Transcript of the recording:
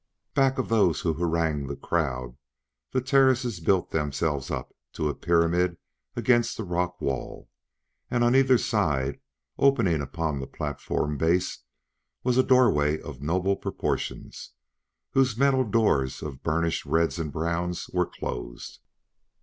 Back of those who harangued the crowd the terraces built themselves up to a pyramid against the rock wall; and on either side, opening upon the platform base, was a doorway of noble proportions, whose metal doors of burnished reds and browns were closed.